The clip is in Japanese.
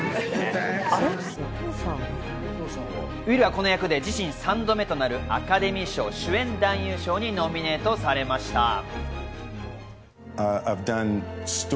ウィルはこの役で自身３度目となるアカデミー賞主演男優賞にノミネートされました。